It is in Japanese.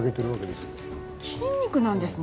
筋肉なんですね。